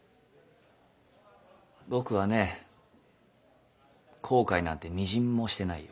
僕はね後悔なんてみじんもしてないよ。